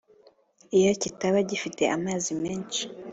iyo kitaba gifite amazi menshi.